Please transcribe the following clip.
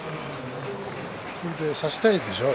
それで差したいでしょうね